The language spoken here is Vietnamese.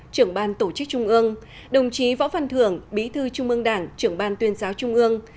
trưởng ban tổ chức trung ương đồng chí võ văn thưởng bí thư trung ương đảng trưởng ban tuyên giáo trung ương